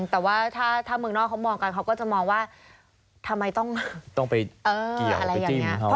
แต่ว่าถ้าเมืองนอกเขามองกันเขาก็จะมองว่าทำไมต้องไปอะไรอย่างนี้